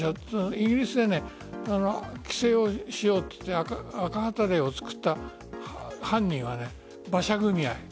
イギリスで規制をしようと言って赤旗令を作った犯人は馬車組合。